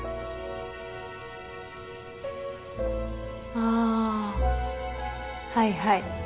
あーはいはい。